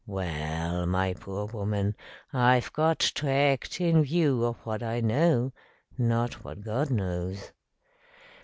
"Well, my poor woman, I've got to act in view of what I know, not what God knows."